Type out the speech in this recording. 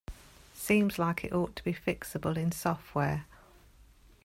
Seems like it ought to be fixable in software.